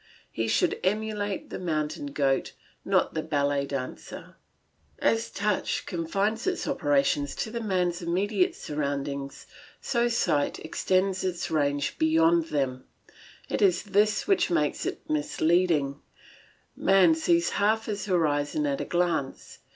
He should emulate the mountain goat, not the ballet dancer. As touch confines its operations to the man's immediate surroundings, so sight extends its range beyond them; it is this which makes it misleading; man sees half his horizon at a glance.